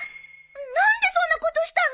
何でそんなことしたの！？